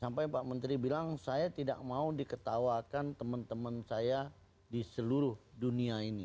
sampai pak menteri bilang saya tidak mau diketawakan teman teman saya di seluruh dunia ini